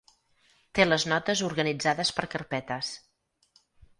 Té les notes organitzades per carpetes.